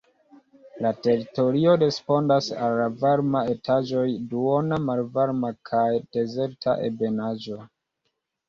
La teritorio respondas al la varma etaĝoj, duona, malvarma kaj dezerta ebenaĵo.